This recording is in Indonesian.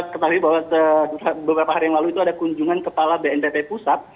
ketahui bahwa beberapa hari yang lalu itu ada kunjungan kepala bnpt pusat